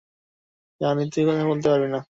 জানি তুই কথা বলতে পারবি না।